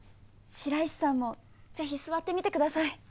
白石さんもぜひ座ってみてください。